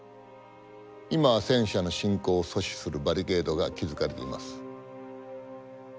今は戦車の侵攻を阻止するバリケードが築かれています。